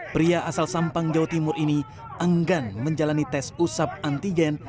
pria asal sampang jawa timur ini enggan menjalani tes usap antigen